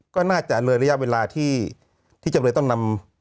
ก็น่าจะอำนวยระยะเวลาที่จำเลยต้องนำ